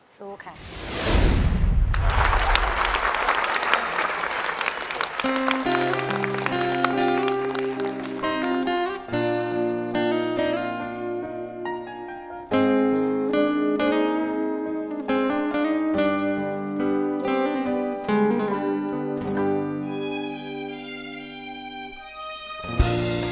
สู้ค่ะ